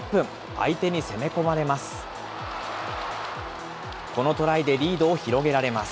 相手に攻め込まれます。